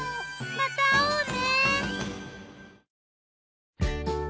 また会おうね。